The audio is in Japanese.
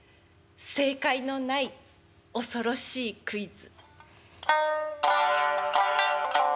正解のない恐ろしいクイズ。